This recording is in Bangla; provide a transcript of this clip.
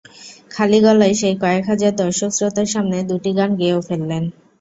খালি গলায় সেই কয়েক হাজার দর্শক-শ্রোতার সামনে দুটি গান গেয়েও ফেললেন।